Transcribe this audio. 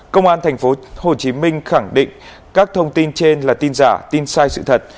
công an tp hcm khẳng định các thông tin trên là tin giả tin sai sự thật